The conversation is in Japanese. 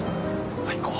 行こう。